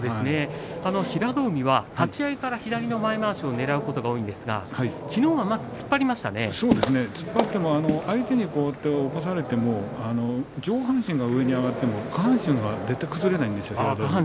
平戸海は立ち合いから左の前まわしをねらうことが多いんですが突っ張っても相手に起こされても上半身が上に上がっても下半身が絶対に崩れないですよね。